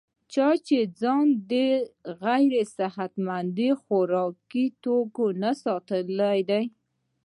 چا چې ځان د غېر صحتمند خوراکونو نه ساتلے دے